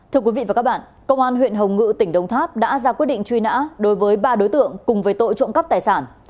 thưa quý vị và các bạn công an huyện hồng ngự tỉnh đồng tháp đã ra quyết định truy nã đối với ba đối tượng cùng với tội trộm cắp tài sản